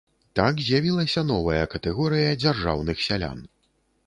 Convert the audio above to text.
Так з'явілася новая катэгорыя дзяржаўных сялян.